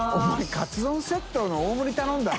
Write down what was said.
カツ丼セットの大盛り頼んだの？